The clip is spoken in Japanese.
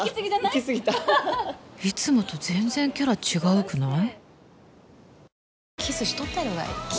行きすぎたいつもと全然キャラ違うくない？